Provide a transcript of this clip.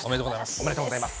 おめでとうございます。